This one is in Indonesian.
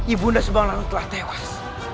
ibu nda semanglalu telah tewas